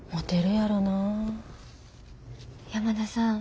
山田さん。